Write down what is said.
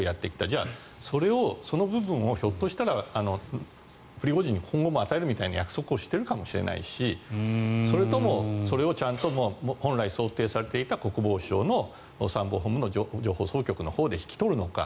じゃあそれをその部分をひょっとしたらプリゴジンに今後も与えるみたいな約束をしているかもしれないしそれとも、それをちゃんと本来想定されていた、国防省の参謀本部の情報総局のほうで引き取るのか。